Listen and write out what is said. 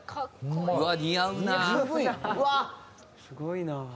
すごいな。